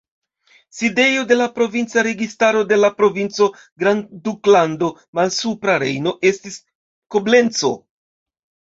Sidejo de la provinca registaro de la provinco Grandduklando Malsupra Rejno estis Koblenco.